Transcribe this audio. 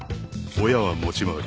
親は持ち回り。